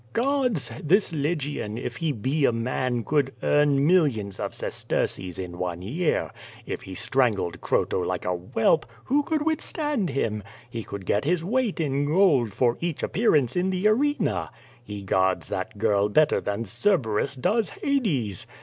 "Gods! this Lygian, if he be a man, could earn millions of sesterces in one year. If ho strangled Oroto like a whelp, wlio could withstand him? He could get his weight in gold for each ap]X'urance in the arena. He guards that girl better than Cerberus docs Hades.